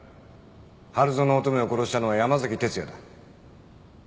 春薗乙女を殺したのは山崎哲也だ。